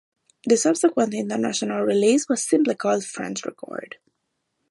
The subsequent international release was simply called French Record.